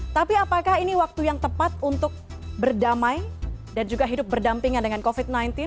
tapi apakah ini waktu yang tepat untuk berdamai dan juga hidup berdampingan dengan covid sembilan belas